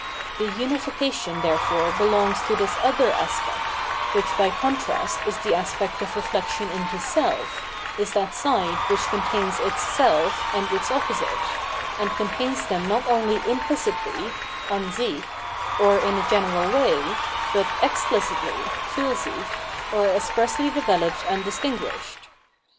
The unification therefore belongs to this other aspect, which by contrast is the aspect of re flection into self, is that side which contains its self and its opposite, and contains ^them not only implicitly {an sick) or in a general way, but explicitly {fiir sich) or expressly developed and distinguished.